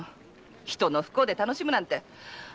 人の不幸で楽しむなんて許せないね！